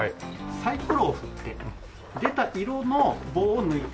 サイコロを振って出た色の棒を抜いていく。